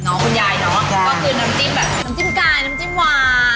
คุณยายเนอะก็คือน้ำจิ้มแบบน้ำจิ้มกายน้ำจิ้มหวาน